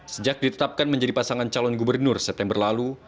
sejak ditetapkan menjadi pasangan calon gubernur september lalu